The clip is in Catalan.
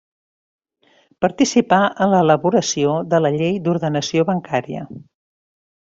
Participà en l'elaboració de la llei d'Ordenació Bancària.